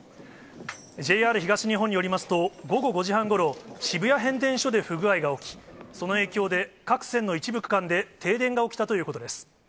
ＪＲ東日本によりますと、午後５時半ごろ、渋谷変電所で不具合が起き、その影響で、各線の一部区間で停電が起きたということです。